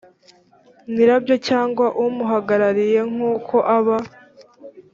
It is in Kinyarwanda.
nyirabwo cyangwa umuhagarariye nk uko aba